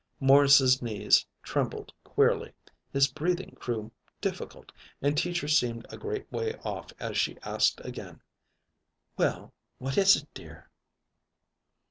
Morris's knees trembled queerly, his breathing grew difficult, and Teacher seemed a very great way off as she asked again: "Well, what is it, dear?"